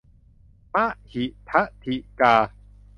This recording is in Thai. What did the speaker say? มะหิทธิกา